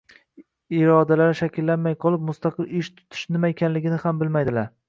Irodalari shakllanmay qolib, mustaqil ish tutish nima ekanligini ham bilmaydilar.